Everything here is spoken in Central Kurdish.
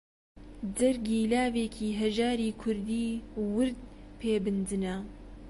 جەرگی لاوێکی هەژاری کوردی ورد پێ بنجنە